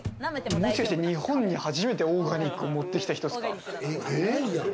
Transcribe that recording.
もしかして、日本で初めてオーガニック持ってきた人ちゃうの？